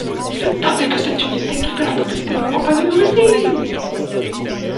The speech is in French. C'est avec cette unité qu'il fait la totalité de la campagne de Russie.